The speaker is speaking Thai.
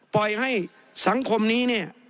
ปล่อยให้สังคมนี้